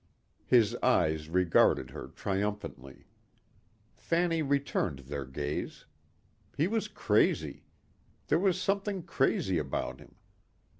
His eyes regarded her triumphantly. Fanny returned their gaze. He was crazy. There was something crazy about him.